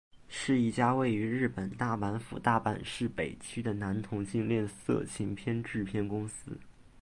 是一家位于日本大阪府大阪市北区的男同性恋色情片制片公司。